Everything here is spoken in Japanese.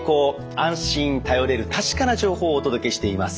安心頼れる確かな情報をお届けしています。